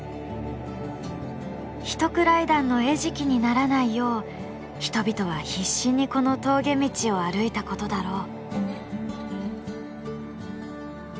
ヒトクライダンの餌食にならないよう人々は必死にこの峠道を歩いたことだろう。